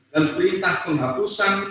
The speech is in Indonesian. dan perintah penghapusan